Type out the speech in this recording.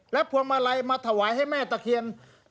พวงมาลัยมาถวายให้แม่ตะเคียน